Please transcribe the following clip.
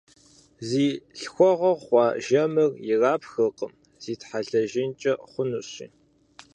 Зи лъхуэгъуэ хъуа жэмыр ирапхыркъым, зитхьэлэжынкӀэ хъунущи.